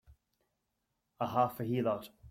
A half a heelot!